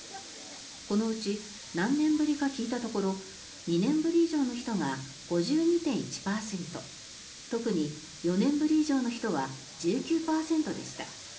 このうち何年ぶりか聞いたところ２年ぶり以上の人が５２．１％特に４年ぶり以上の人は１９％でした。